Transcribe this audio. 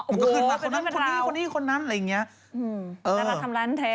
อ๋อมันก็ขึ้นภาพคนนี้คนนั้นอะไรแบบนี้